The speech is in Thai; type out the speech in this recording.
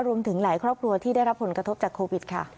รวมถึงหลายครอบครัวที่ได้รับผลกระทบจากโควิดค่ะ